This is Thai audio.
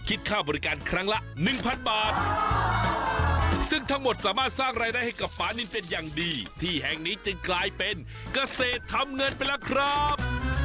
ค่าบริการครั้งละหนึ่งพันบาทซึ่งทั้งหมดสามารถสร้างรายได้ให้กับปานินเป็นอย่างดีที่แห่งนี้จึงกลายเป็นเกษตรทำเงินไปแล้วครับ